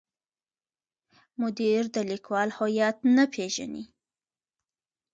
مدیر د لیکوال هویت نه پیژني.